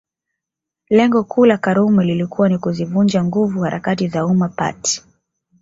Lengo kuu la Karume lilikuwa ni kuzivunja nguvu harakati za Umma Party